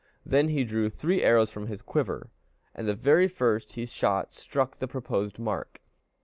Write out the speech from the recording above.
Then he drew three arrows from his quiver, and the very first he shot struck the proposed mark.